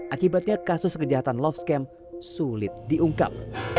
akibatnya kasus kejahatan love scam sulit diungkap